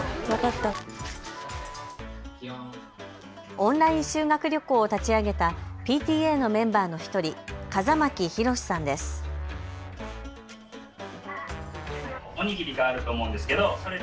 オンライン修学旅行を立ち上げたＰＴＡのメンバーの１人、風巻宏さんです。